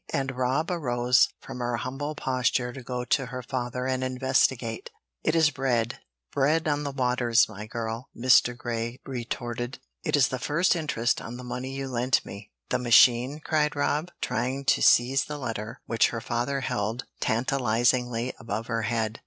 And Rob arose from her humble posture to go to her father and investigate. "It is bread bread on the waters, my girl," Mr. Grey retorted. "It is the first interest on the money you lent me." "The machine?" cried Rob, trying to seize the letter which her father held tantalizingly above her head.